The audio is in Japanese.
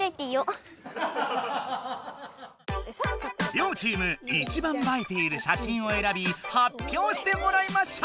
両チームいちばん映えている写真をえらび発表してもらいましょう！